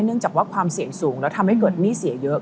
เนื่องจากว่าความเสี่ยงสูงแล้วทำให้เกิดหนี้เสียเยอะ